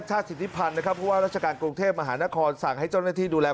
เรียกรถติดไงพ่อแม่